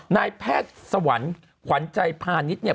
นายแพทย์สวรรค์ขวัญใจพาณิชย์เนี่ย